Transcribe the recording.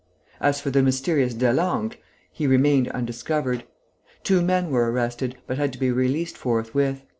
As for the mysterious Delangle, he remained undiscovered. Two men were arrested, but had to be released forthwith.